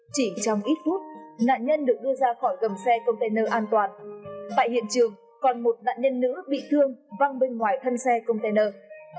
chỉ trong ít phút nạn nhân được đưa ra khỏi gầm xe container an toàn tại hiện trường còn một nạn nhân nữ bị thương văng bên ngoài thân xe container